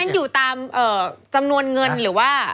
มันอยู่ตามจำนวนเงินหรือว่า